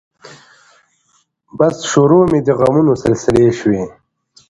بس شروع مې د غمونو سلسلې شوې